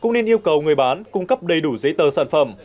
cũng nên yêu cầu người bán cung cấp đầy đủ giấy tờ sản phẩm